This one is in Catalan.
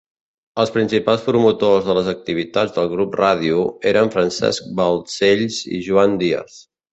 Els principals promotors de les activitats del Grup Ràdio eren Francesc Balcells i Joan Díaz.